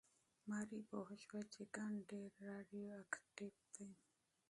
ماري پوه شوه چې کان ډېر راډیواکټیف دی.